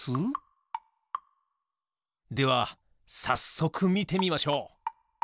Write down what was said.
ではさっそくみてみましょう！